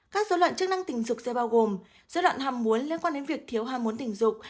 các dối loạn chức năng tình dục sẽ bao gồm dối loạn ham muốn liên quan đến việc thiếu ham muốn tình dục